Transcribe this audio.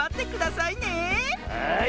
はい。